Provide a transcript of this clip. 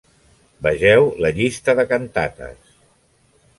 Vegeu la llista de cantates.